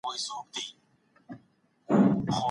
که مشورې زياتي سي نو کورنی ژوند به ښه سي.